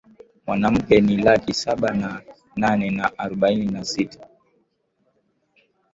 Wanawake ni laki saba na nane na arobaini na sita